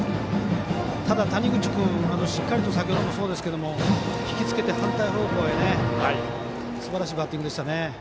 ただ、谷口君しっかりと先ほどもそうですけどひきつけて反対方向へすばらしいバッティングでしたね。